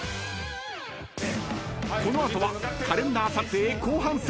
［この後はカレンダー撮影後半戦］